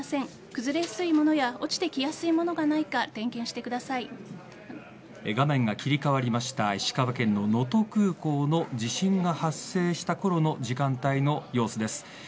崩れやすいものや落ちてきやすいものがないか画面が切り替わりました石川県の能登空港の地震が発生したころの時間帯の様子です。